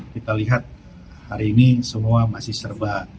kita lihat hari ini semua masih serba